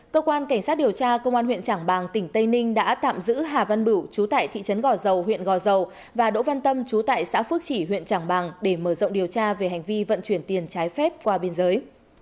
cơ quan cảnh sát điều tra công an huyện trảng bàng tỉnh tây ninh đã tạm giữ hà văn bửu chú tại thị trấn gò dầu huyện gò dầu và đỗ văn tâm chú tại xã phước chỉ huyện trảng bàng để mở rộng điều tra về hành vi vận chuyển tiền trái phép qua biên giới